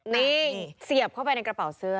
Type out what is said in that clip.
นี่เสียบเข้าไปในกระเป๋าเสื้อ